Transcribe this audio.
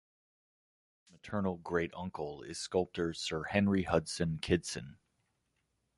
His maternal great uncle is sculptor Sir Henry Hudson Kitson.